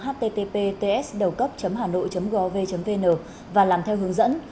http ts hanoi gov vn và làm theo hướng dẫn